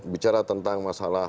bicara tentang masalah